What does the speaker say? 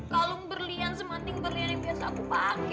kalung berlian semating berlian yang biasa aku pakai